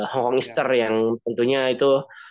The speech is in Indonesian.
hong kong easter yang tentunya itu